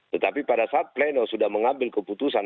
tetapi pada saat pleno sudah mengambil keputusan